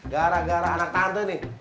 gara gara anak tante nih